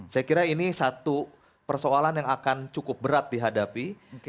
saya kira ini satu persoalan yang akan cukup berat dihadapi